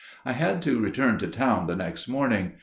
"I had to return to town the next morning.